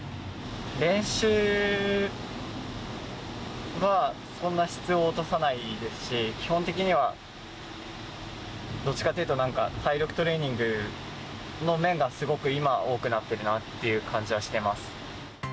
練習はそんな質を落とさないですし、基本的にはどっちかっていうと、なんか体力トレーニングの面が、すごく今、多くなっているなっていう感じはしてます。